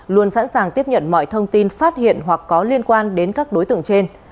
luôn sẵn sàng tiếp nhận mọi thông tin phát hiện hoặc có liên quan đến các đối tượng trên